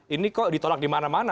ini kok ditolak di mana mana